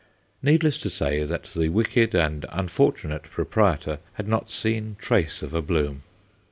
Needless to say that the wicked and unfortunate proprietor had not seen trace of a bloom.